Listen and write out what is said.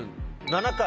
７回？